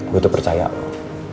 gue tuh percaya bu